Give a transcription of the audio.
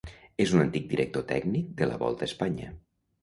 És un antic director tècnic de la Volta a Espanya.